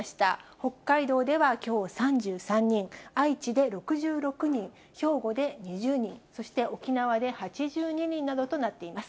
北海道ではきょう３３人、愛知で６６人、兵庫で２０人、そして沖縄で８２人などとなっています。